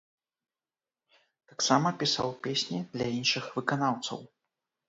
Таксама пісаў песні для іншых выканаўцаў.